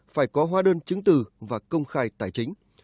phải có hóa đơn chứng từ và công khai tài chính